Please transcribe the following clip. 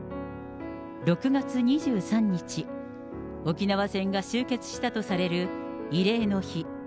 ６月２３日、沖縄戦が終結したとされる慰霊の日。